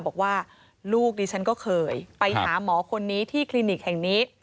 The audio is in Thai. บอกว่าลูกดิฉันก็เคยไปหาหมอคนนี้ที่คลินิกแห่งนี้